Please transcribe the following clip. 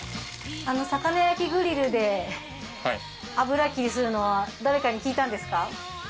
魚焼きグリルで油切りするのは誰かに聞いたんですか？